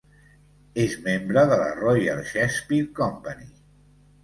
És membre de la Royal Shakespeare Company.